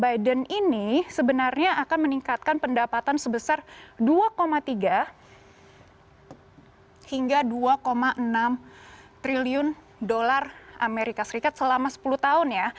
biden ini sebenarnya akan meningkatkan pendapatan sebesar dua tiga hingga dua enam triliun dolar amerika serikat selama sepuluh tahun ya